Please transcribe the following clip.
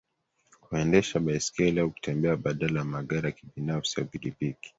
kuendesha baiskeli au kutembea badala ya magari ya kibinafsi au pikipiki